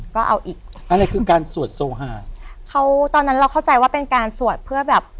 ก็เอาอีกอะไรคือการสวดโซฮาเขาตอนนั้นเราเข้าใจว่าเป็นการสวดเพื่อแบบ